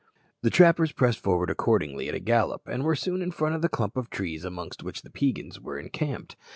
The trappers pressed forward accordingly at a gallop, and were soon in front of the clump of trees amongst which the Peigans were encamped.